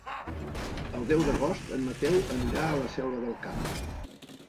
El deu d'agost en Mateu anirà a la Selva del Camp.